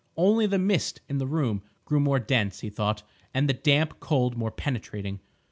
Only the mist in the room grew more dense, he thought, and the damp cold more penetrating.